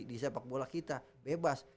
di sepak bola kita bebas